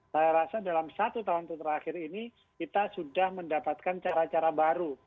saya rasa dalam satu tahun terakhir ini kita sudah mendapatkan cara cara baru